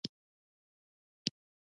د اسلام سپیڅلي دین سره د بشر د حقونو اړیکې.